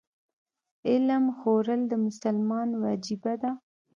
علم خورل د مسلمان وجیبه ده.